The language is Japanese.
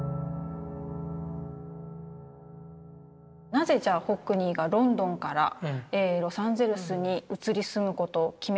なぜじゃあホックニーがロンドンからロサンゼルスに移り住むことを決めたのか。